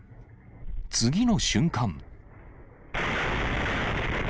次の瞬間。